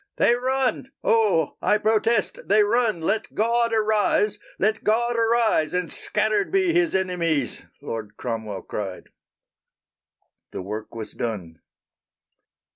"They run! Oh, I protest they run! Let God arise! Let God arise! And scattered be His enemies!" Loud Cromwell cried. _The work was done.